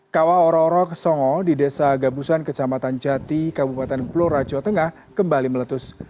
kawah oro oro ke songo di desa gabusan kecamatan jati kabupaten blora jawa tengah kembali meletus